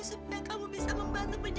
ternyata kamu bisa berbelu domba tori